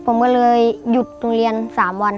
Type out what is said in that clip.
ผมก็เลยหยุดโรงเรียน๓วัน